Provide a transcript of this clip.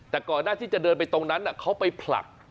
แต่ก่อนหน้าที่จะเดินไปตรงนั้นเขาไปผลัก